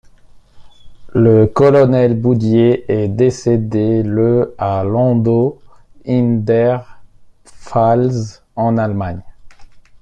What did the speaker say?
Le colonel Boudier est décédé le à Landau in der Pfalz en Allemagne.